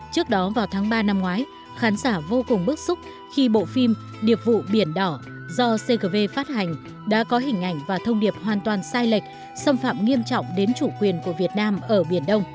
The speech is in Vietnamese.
trước đó vào tháng ba năm ngoái khán giả vô cùng bức xúc khi bộ phim điệp vụ biển đỏ do cgv phát hành đã có hình ảnh và thông điệp hoàn toàn sai lệch xâm phạm nghiêm trọng đến chủ quyền của việt nam ở biển đông